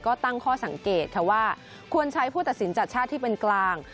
ก็ตั้งข้อสังเกตค่ะว่าควรใช้ผู้ตัดสินจัดชาติที่เป็นกลาง